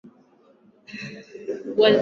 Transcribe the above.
akizungumza na victor robert willi kuangazia